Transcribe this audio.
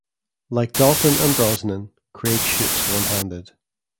Like Dalton and Brosnan, Craig shoots one-handed.